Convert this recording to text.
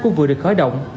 cũng vừa được khởi động